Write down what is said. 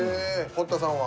堀田さんは？